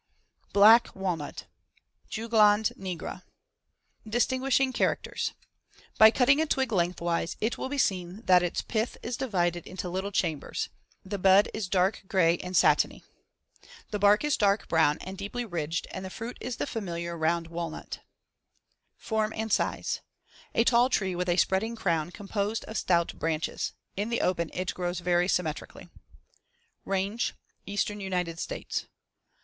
BLACK WALNUT (Juglans nigra) Distinguishing characters: By cutting a twig lengthwise, it will be seen that its *pith* is divided into little chambers as shown in Fig. 71. The bud is dark gray and satiny. The bark is dark brown and deeply ridged and the fruit is the familiar round walnut. [Illustration: FIG. 70. Bark of the Mockernut Hickory.] Form and size: A tall tree with a spreading crown composed of stout branches. In the open it grows very symmetrically. Range: Eastern United States.